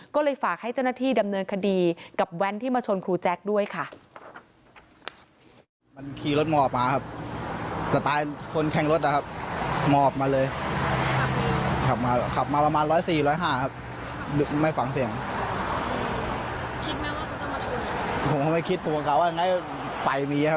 ก็เลยฝากให้เจ้าหน้าที่ดำเนินคดีกับแว้นที่มาชนครูแจ๊คด้วยค่ะ